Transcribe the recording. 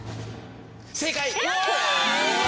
正解！